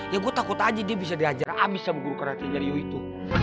ya gua takut aja dia bisa diajar abis sama guru karate nya ryo itu